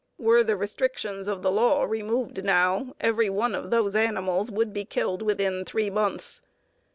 Were the restrictions of the law removed now, every one of those animals would be killed within three months.